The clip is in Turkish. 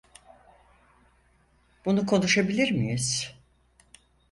Bunu konuşabilir miyiz?